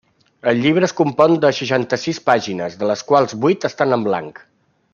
El llibre es compon de seixanta-sis pàgines, de les quals vuit estan en blanc.